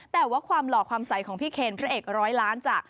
แต่ว่าความหล่อความใสของพี่เคนพระเอกร้อยล้านจะ